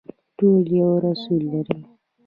ټول یو رسول لري